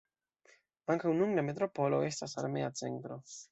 Ankaŭ nun la metropolo estas armea centro.